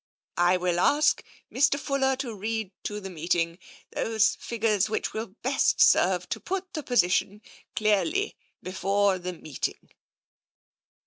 " I will ask Mr. Fuller to read to the meeting those figures which will best serve to put the position clearly before the meeting."